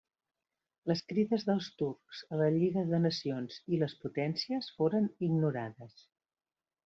Les crides dels turcs a la Lliga de Nacions i les potències foren ignorades.